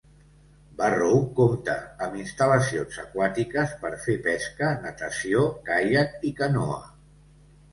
Barrow compta amb instal·lacions aquàtiques per fer pesca, natació, caiac i canoa.